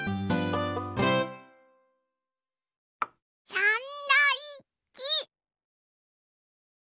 サンドイッチ。